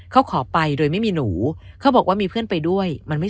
เขาขอไปโดยไม่มีหนูเขาบอกว่ามีเพื่อนไปด้วยมันไม่ใช่